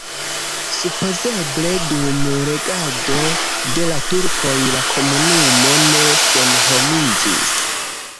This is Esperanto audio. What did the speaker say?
Supozeble dum regado de la turkoj la komunumo ne senhomiĝis.